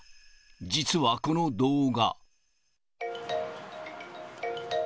実はこの動画。